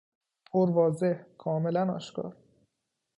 پرواضح، کاملا آشکار